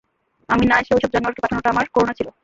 আমি না এসে ঐসব জানোয়ারকে পাঠানোটা আমার করুণা ছিল।